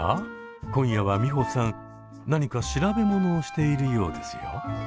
今夜はミホさん何か調べ物をしているようですよ。